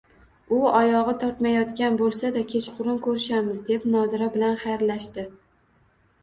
U oyog`i tormayotgan bo`lsa-da, kechqurun gaplashamiz, deb Nodira bilan xayrlashdi